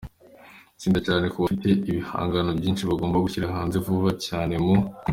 tsinda cyane ko bafite ibihangano byinshi bagomba gushyira hanze vuba cyane mu